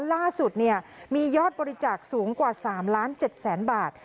ล่าสุดเนี่ยมียอดบริจาคสูงกว่าสามล้านเจ็ดแสนบาท